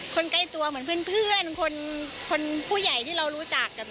ใกล้ตัวเหมือนเพื่อนคนผู้ใหญ่ที่เรารู้จักกับ